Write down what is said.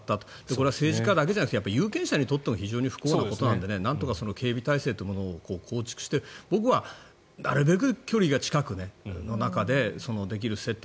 これは政治家だけじゃなくて有権者にとっても非常に不幸なことなのでなんとか警備態勢というのを構築して僕はなるべく距離が近い中でできる接点。